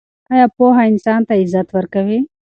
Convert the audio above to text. آیا پوهه انسان ته عزت ورکوي؟